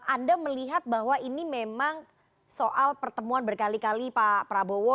anda melihat bahwa ini memang soal pertemuan berkali kali pak prabowo